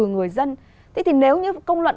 người dân thế thì nếu như công luận